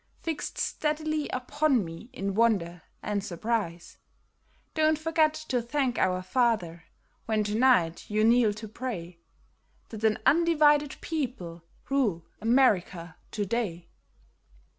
Fixed steadily upon me in wonder and surprise ; Don't forget to thank our Father, when to night you kneel to pray. That an undivided people rule America to day.